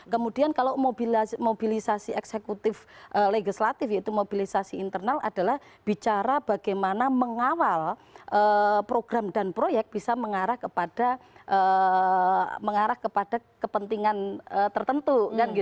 kemudian kalau mobilisasi eksekutif legislatif yaitu mobilisasi internal adalah bicara bagaimana mengawal program dan proyek bisa mengarah kepada mengarah kepada kepentingan tertentu